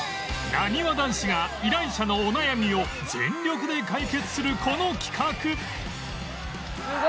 なにわ男子が依頼者のお悩みを全力で解決するこの企画